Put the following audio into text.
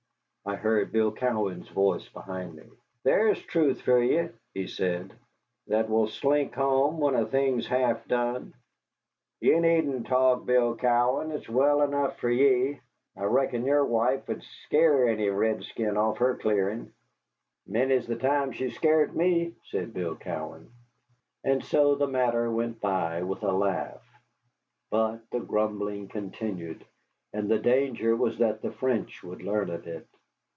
I heard Bill Cowan's voice behind me. "There's truth for ye," he said, "that will slink home when a thing's half done." "Ye needn't talk, Bill Cowan; it's well enough for ye. I reckon your wife'd scare any redskin off her clearin'." "Many the time she scart me," said Bill Cowan. And so the matter went by with a laugh. But the grumbling continued, and the danger was that the French would learn of it.